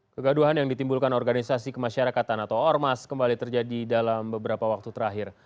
kegaduhan yang ditimbulkan organisasi kemasyarakatan atau ormas kembali terjadi dalam beberapa waktu terakhir